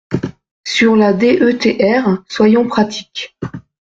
Sur la DETR, soyons pratiques.